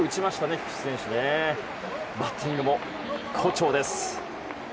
菊池選手はバッティングも好調です。